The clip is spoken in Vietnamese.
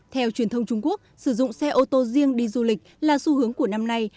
theo truyền thông trung quốc sử dụng xe ô tô riêng đi du lịch là xu hướng của năm nay